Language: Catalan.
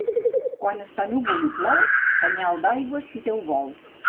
Quan està núvol i plou, senyal d'aigua, si Déu vol.